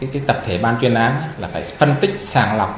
cái tập thể ban chuyên án là phải phân tích sàng lọc